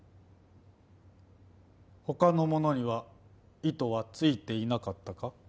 他のものには糸はついていなかったか？